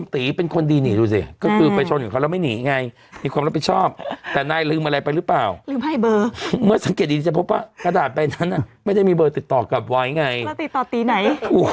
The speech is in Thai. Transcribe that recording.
แต่อันนี้โทรไปกี่ทีกี่ทีก็ไม่รับสุดท้ายแกก็โทรกลับมาหาผม